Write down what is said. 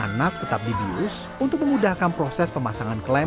anak tetap di bius untuk mengudahkan proses pemasangan penyelidikan